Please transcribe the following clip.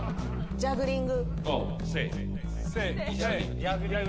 ジャグリング。